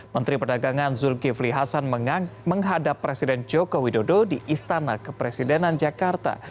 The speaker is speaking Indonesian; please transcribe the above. menteri perdagangan zulkifli hasan menghadap presiden joko widodo di istana kepresidenan jakarta